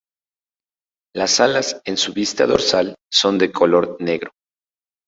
Las alas en su vista dorsal son de color negro.